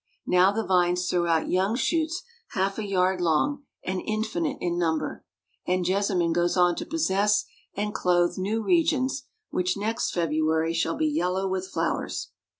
Now the vines throw out young shoots half a yard long, and infinite in number; and jessamine goes on to possess and clothe new regions, which next February shall be yellow with flowers.